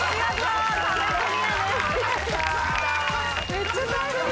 めっちゃ最高。